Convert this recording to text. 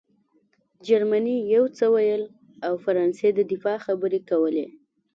جرمني یو څه ویل او فرانسې د دفاع خبرې کولې